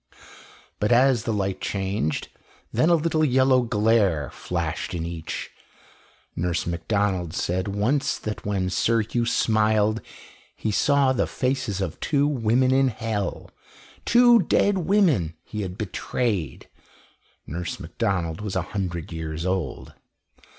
But as the light changed, then a little yellow glare flashed in each. Nurse Macdonald said once that when Sir Hugh smiled he saw the faces of two women in hell two dead women he had betrayed. (Nurse Macdonald was a hundred years old.)